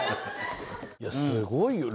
いやすごいよ。